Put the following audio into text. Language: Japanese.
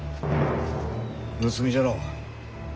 盗みじゃろ。